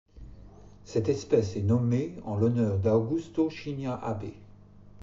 Cette espèce est nommée en l'honneur d'Augusto Shinia Abe.